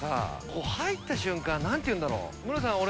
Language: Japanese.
こう入った瞬間何ていうんだろう。